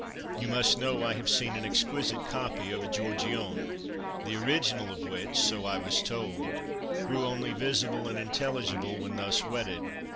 (You must know I have seen an exquisite copy of a Giorgione, the original of which so I was told grew only visible and intelligible when thus wetted.)